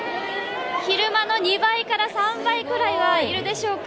昼間の２倍から３倍くらいはいるでしょうか。